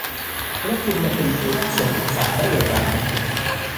แล้วคุณมาเป็นผู้รับส่งเอกสารได้อย่างไร